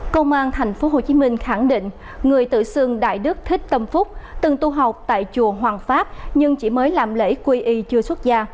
công an tp hcm khẳng định người tự xương đại đức thích tâm phúc từng tu học tại chùa hoàng pháp nhưng chỉ mới làm lễ quy y chưa xuất gia